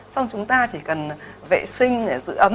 xong chúng ta chỉ cần vệ sinh giữ ấm